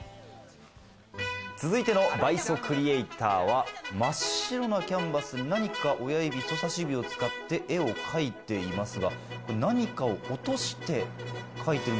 続いての倍速リエイターは、真っ白なキャンバスに、何か親指、人さし指を使って、絵を描いていますが、何かを落として描いてる？